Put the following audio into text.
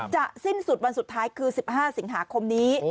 สิ้นสุดวันสุดท้ายคือ๑๕สิงหาคมนี้